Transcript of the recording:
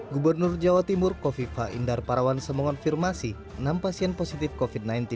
gubernur jawa timur kofifa indar parawan semongon firmasi enam pasien positif kofit